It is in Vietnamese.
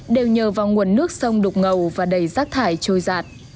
đều nhờ vào nguồn nước sông đục ngầu và đầy rác thải trôi giạt